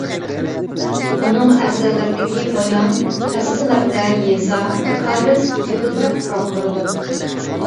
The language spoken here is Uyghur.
ئۇنىڭ ئەسەرلىرىدىكى بايان، تەسۋىرلىرىدە يېزا، كارىز گۈپۈلدەپ پۇراپ تۇرىدۇ.